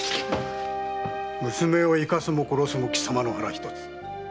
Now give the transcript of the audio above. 娘を生かすも殺すもきさまの腹ひとつ。